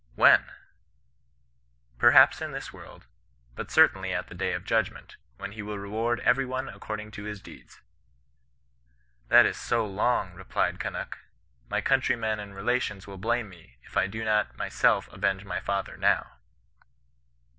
— ^*When?' — ^'Perhaps in this world; hat certainly at the day of judgment, when he will reward eyei^ one according to his deeds/ —' That is so long,' rephed Eunnuk, 'my countrymen and relations will blame me, if I do not myself avenge my father now.'